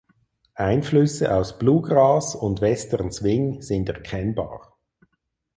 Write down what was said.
Einflüsse aus Bluegrass und Western Swing sind erkennbar.